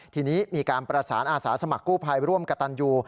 ทีนี้มีการประสานอาสาสมัครกู้ภัยร่วมกับตันยู